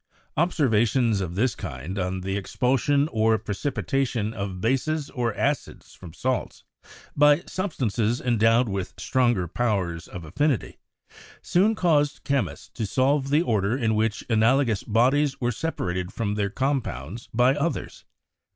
Observations of this kind on the expulsion or precipitation of bases or acids from salts, by substances endowed with stronger powers of affinity, soon caused chemists to solve the order in which analogous bodies were separated from their compounds by others.